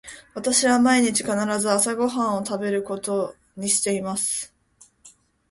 私は毎日必ず朝ご飯を食べることにしています。